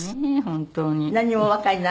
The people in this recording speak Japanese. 本当に。